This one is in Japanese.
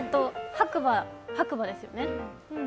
白馬ですよね？